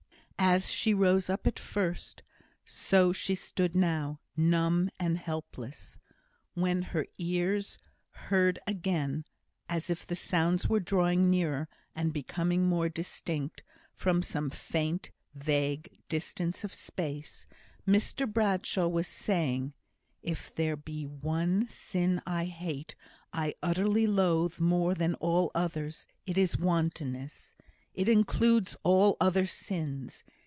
As she rose up at first, so she stood now numb and helpless. When her ears heard again (as if the sounds were drawing nearer, and becoming more distinct, from some faint, vague distance of space), Mr Bradshaw was saying, "If there be one sin I hate I utterly loathe more than all others, it is wantonness. It includes all other sins.